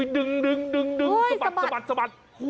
ดึงสะบัด